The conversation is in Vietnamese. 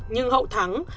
nhưng hậu thắng